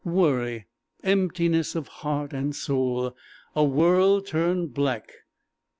Worry emptiness of heart and soul a world turned black!